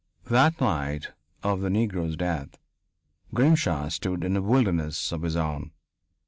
That night of the Negro's death Grimshaw stood in a wilderness of his own.